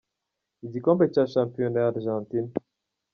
Igikombe cya Shampiyona ya Argentina